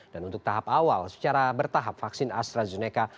dan untuk tahap awal secara bertahap vaksin astrazeneca